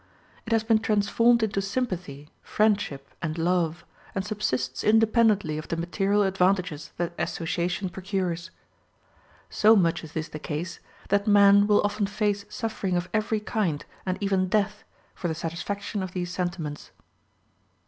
It has been transformed into sympathy, friendship and love, and subsists independently of the material advantages that association procures. So much is this the case, that man will often face suffering of every kind, and even death, for the satisfaction of these sentiments.